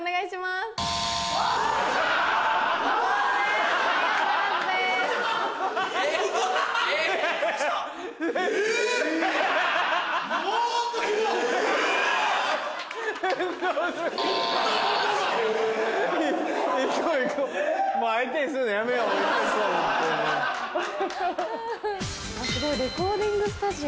すごいレコーディングスタジオ！